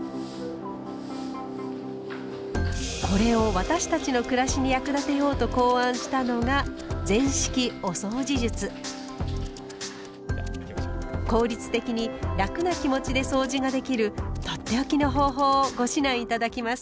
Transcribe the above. これを私たちの暮らしに役立てようと考案したのが効率的に楽な気持ちでそうじができるとっておきの方法をご指南頂きます。